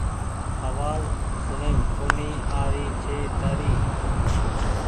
آواز سوڻيم ڪونيٚ آ رهي ڇي تآري